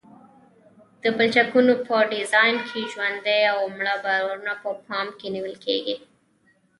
د پلچکونو په ډیزاین کې ژوندي او مړه بارونه په پام کې نیول کیږي